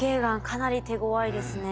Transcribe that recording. かなり手ごわいですね。